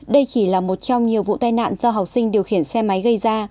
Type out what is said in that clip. đây chỉ là một trong nhiều vụ tai nạn do học sinh điều khiển xe máy gây ra